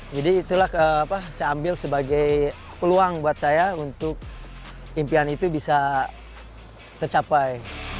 jadi itulah saya ambil sebagai peluang buat saya untuk impian itu bisa tercapai